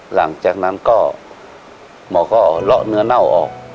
หลังจากนั้นก็หมอก็เลาะเนื้อเน่าออก